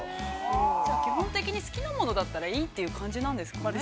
基本的に好きなものだったらいいっていう感じなんですかね。